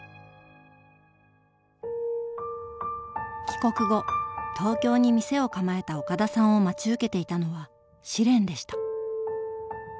帰国後東京に店を構えた岡田さんを待ち受けていたのは試練でした。